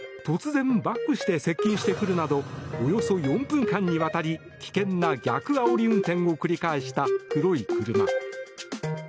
突然バックして接近してくるなどおよそ４分間にわたり危険な逆あおり運転を繰り返した黒い車。